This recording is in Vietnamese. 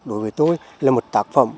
đối với tôi là một tác phẩm